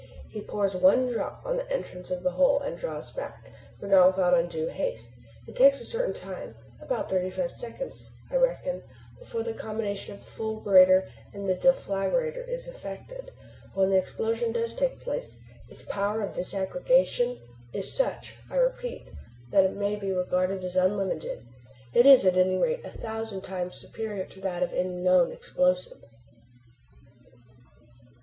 He pours one drop on the entrance of the hole, and draws back, but not with undue haste. It takes a certain time about thirty five seconds, I reckon before the combination of the fulgurator and deflagrator is effected. But when the explosion does take place its power of disaggregation is such I repeat that it may be regarded as unlimited. It is at any rate a thousand times superior to that of any known explosive.